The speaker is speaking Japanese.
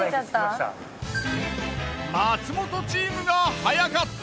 松本チームが早かった。